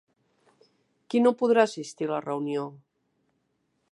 Qui no podrà assistir a la reunió?